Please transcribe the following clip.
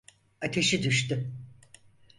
Ateşi düştü.